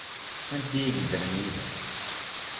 Anti ay yeddren yid-m?